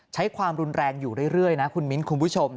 ใช้ความรุนแรงอยู่เรื่อยนะคุณมิ้นคุณผู้ชม